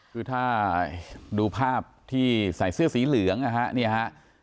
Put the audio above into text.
คือถ้าดูภาพที่ใส่เสื้อสีเหลืองนะฮะเนี่ยฮะ